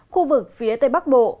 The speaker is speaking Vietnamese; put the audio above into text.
khu vực phía tây bắc bộ